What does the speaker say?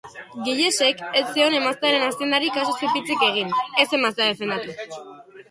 Gillesek ez zion emaztearen aziendari kasu zipitzik egin, ez emaztea defendatu.